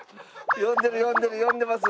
呼んでる呼んでる呼んでます。